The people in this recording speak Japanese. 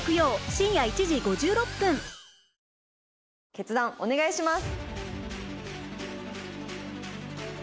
決断お願いします。